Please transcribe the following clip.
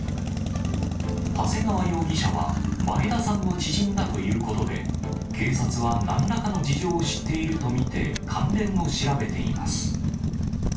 長谷川容疑者は、前田さんの知人だということで、警察はなんらかの事情を知っていると見て関連を調べています。